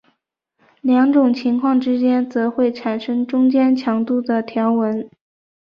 两种情况之间则会产生中间强度的条纹。